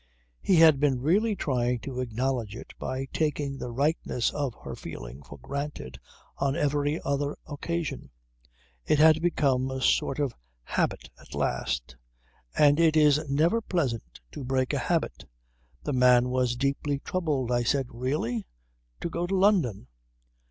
He had been really trying to acknowledge it by taking the rightness of her feeling for granted on every other occasion. It had become a sort of habit at last. And it is never pleasant to break a habit. The man was deeply troubled. I said: "Really! To go to London!"